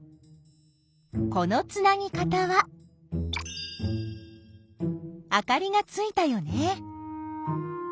このつなぎ方はあかりがついたよね。